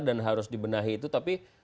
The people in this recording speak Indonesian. dan harus dibenahi itu tapi